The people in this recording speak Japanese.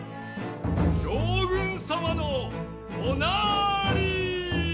将軍様のおなり。